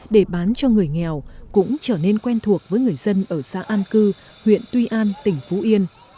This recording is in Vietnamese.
để bán cho người nghèo cũng trở nên quen thuộc với người dân ở xã an cư huyện tuy an tỉnh phú yên